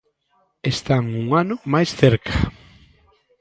Están un ano máis cerca.